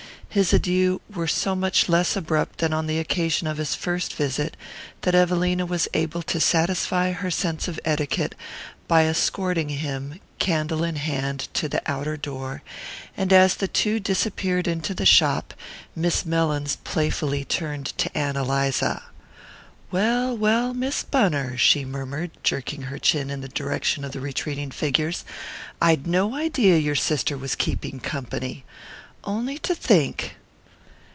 His adieux were so much less abrupt than on the occasion of his first visit that Evelina was able to satisfy her sense of etiquette by escorting him, candle in hand, to the outer door; and as the two disappeared into the shop Miss Mellins playfully turned to Ann Eliza. "Well, well, Miss Bunner," she murmured, jerking her chin in the direction of the retreating figures, "I'd no idea your sister was keeping company. On'y to think!"